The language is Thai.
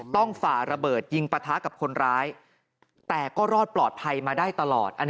ฝ่าระเบิดยิงปะทะกับคนร้ายแต่ก็รอดปลอดภัยมาได้ตลอด